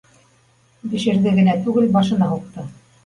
Бешерҙе генә түгел, башына һуҡты